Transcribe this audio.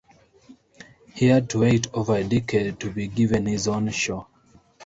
He had to wait over a decade to be given his own show.